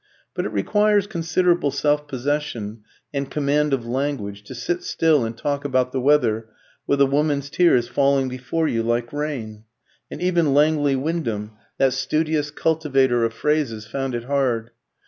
But it requires considerable self possession and command of language to sit still and talk about the weather with a woman's tears falling before you like rain; and even Langley Wyndham, that studious cultivator of phrases, found it hard.